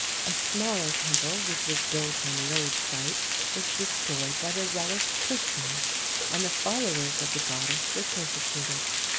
A smaller temple which was built on the old site was destroyed by the zealous Christians, and the followers of the goddess were persecuted.